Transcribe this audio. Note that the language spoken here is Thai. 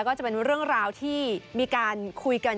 ก็จะเป็นเรื่องราวที่มีการคุยกัน